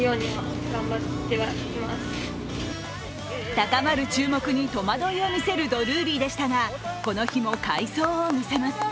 高まる注目に戸惑いを見せるドルーリーでしたがこの日も快走を見せます。